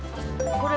これ。